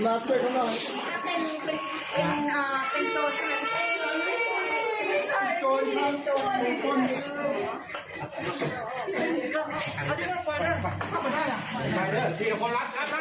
หน้าเลย